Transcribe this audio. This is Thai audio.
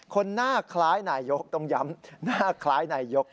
คนหน้าคล้ายนายกต้องย้ำหน้าคล้ายนายก